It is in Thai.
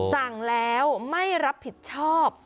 สั่งแล้วไม่รับผิดชอบ